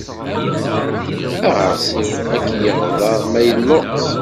Aɣersiw ad k-yeɣḍer ma yelluẓ.